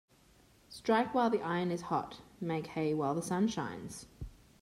Strike while the iron is hot Make hay while the sun shines.